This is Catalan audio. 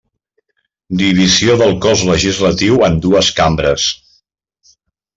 Divisió del cos legislatiu en dues cambres.